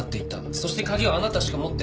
そして鍵はあなたしか持ってない。